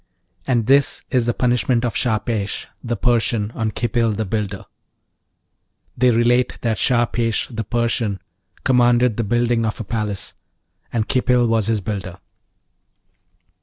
AND THIS IS THE PUNISHMENT OF SHAHPESH, THE PERSIAN, ON KHIPIL, THE BUILDER They relate that Shahpesh, the Persian, commanded the building of a palace, and Khipil was his builder.